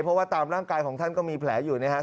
เพราะว่าตามร่างกายของท่านก็มีแผลอยู่นะครับ